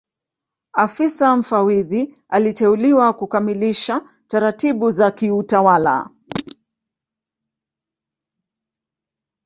Afisa Mfawidhi aliteuliwa kukamilisha taratibu za kiutawala